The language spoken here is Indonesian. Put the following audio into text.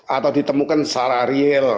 atau ditemukan secara real